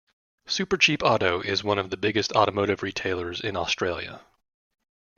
Supercheap Auto is one of the biggest automotive retailers in Australia.